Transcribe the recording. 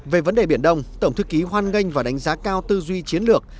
về vấn đề biển đông tổng thư ký hoan nghênh và đánh giá cao tư duy chiến lược